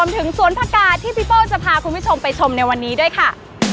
ถึงสวนผักกาศที่พี่โป้จะพาคุณผู้ชมไปชมในวันนี้ด้วยค่ะ